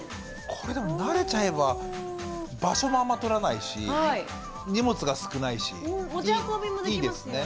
これでも慣れちゃえば場所もあんま取らないし荷物が少ないしいいですね。